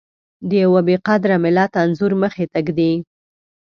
د يوه بې قدره ملت انځور مخې ته ږدي.